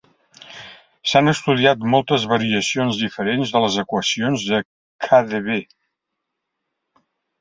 S'han estudiat moltes variacions diferents de les equacions de KdV.